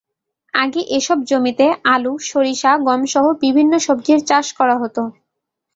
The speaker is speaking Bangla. আগে এসব জমিতে আলু, সরিষা, গমসহ বিভিন্ন সবজির চাষ করা হতো।